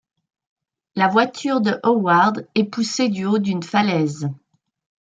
La voiture de Howard est poussée du haut d'une falaise.